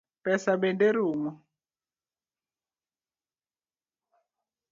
Pesa bende rumo.